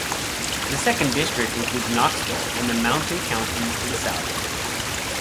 The Second District includes Knoxville and the mountain counties to the south.